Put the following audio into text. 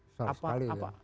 besar sekali ya